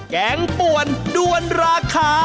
แกงป่วนด้วนราคา